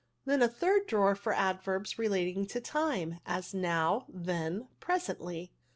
Then a third drawer for adverbs relating to time ; as now, then, presently.